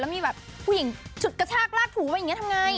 มีแบบผู้หญิงฉุดกระชากลากถูไว้อย่างนี้ทำไง